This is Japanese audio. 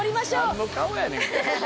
何の顔やねん！